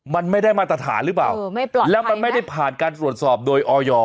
มันไม่ได้มาตรฐานหรือเปล่าเออไม่ปล่อยแล้วมันไม่ได้ผ่านการตรวจสอบโดยออย